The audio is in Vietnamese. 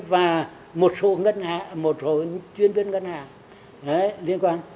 công an long biên và một số chuyên viên ngân hàng